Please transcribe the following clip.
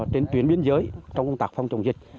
trên tuyến biên giới trong công tác phòng chống dịch